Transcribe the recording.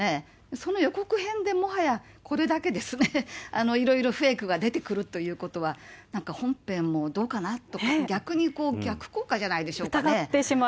その予告編でもはや、これだけいろいろフェイクが出てくるということは、なんか本編もどうかなと、逆効果じゃないでしょうかね。